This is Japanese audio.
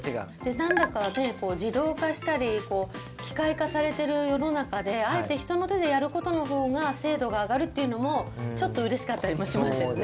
なんだか自動化したり機械化されてる世の中であえて人の手でやることのほうが精度が上がるっていうのもちょっとうれしかったりもしますよね。